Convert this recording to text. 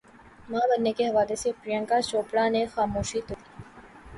ماں بننے کے حوالے سے پریانکا چوپڑا نے خاموشی توڑ دی